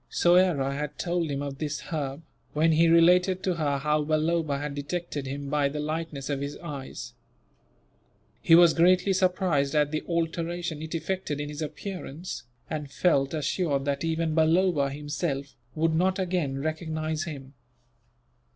Soyera had told him of this herb, when he related to her how Balloba had detected him by the lightness of his eyes. He was greatly surprised at the alteration it effected in his appearance, and felt assured that even Balloba himself would not again recognize him.